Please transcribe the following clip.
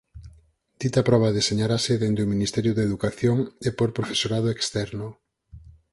Dita proba deseñarase dende o Ministerio de Educación e por profesorado externo.